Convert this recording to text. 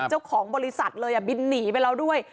เจ้าของบริษัทเลยบินหนีไปแล้วด้วย